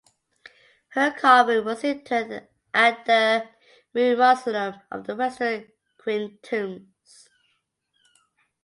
Her coffin was interred at the Mu Mausoleum of the Western Qing tombs.